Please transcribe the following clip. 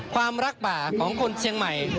แก้ไขป่าวเชียงไหม